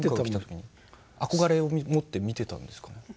憧れを持って見てたんですかね。